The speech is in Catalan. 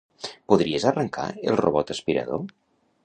Podries arrancar el robot aspirador?